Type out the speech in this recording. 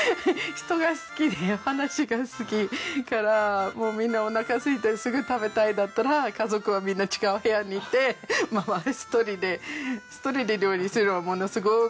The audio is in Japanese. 人が好きで話が好きだからみんなおなかがすいてすぐ食べたいだったら家族はみんな違う部屋に行って私一人で一人で料理すればものすごく早い。